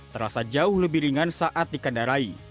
terasa jauh lebih ringan saat dikendarai